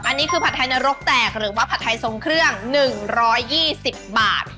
อันนี้คือผัดไทยนรกแตกหรือว่าผัดไทยทรงเครื่อง๑๒๐บาท